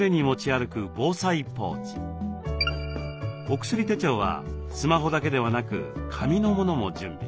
おくすり手帳はスマホだけではなく紙のものも準備。